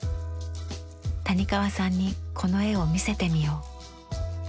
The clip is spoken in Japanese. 谷川さんにこの絵を見せてみよう。